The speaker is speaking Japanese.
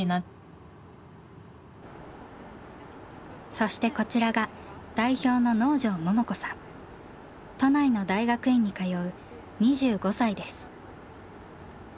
そしてこちらが代表の都内の大学院に通う２５歳です。